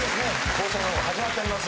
放送始まっております。